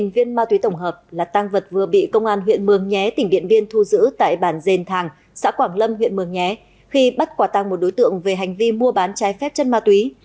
một mươi viên ma túy tổng hợp là tăng vật vừa bị công an huyện mường nhé tỉnh điện biên thu giữ tại bản dền thàng xã quảng lâm huyện mường nhé khi bắt quả tăng một đối tượng về hành vi mua bán trái phép chất ma túy